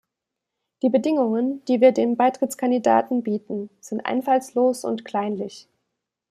Die Bedingungen, die wir den Beitrittskandidaten bieten, sind einfallslos und kleinlich.